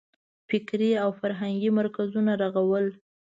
فکري او فرهنګي مرکزونه رغول.